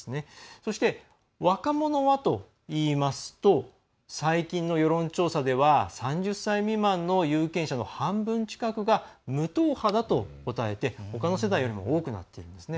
そして、若者はといいますと最近の世論調査では３０歳未満の有権者の半分近くが無党派だと答えてほかの世代よりも多くなっているんですね。